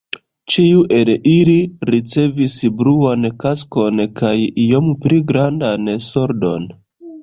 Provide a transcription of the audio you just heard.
Ĉiu el ili ricevis bluan kaskon kaj iom pli grandan soldon.